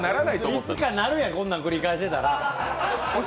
いつかなるねん、こんなん繰り返してたら。